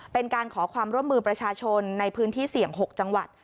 เป็นการขอความร่วมมือประชาชนในพื้นที่เสี่ยง๖จังหวัด